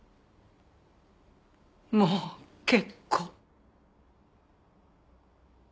もう結構。